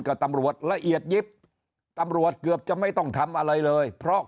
กับตำรวจละเอียดยิบตำรวจเกือบจะไม่ต้องทำอะไรเลยเพราะ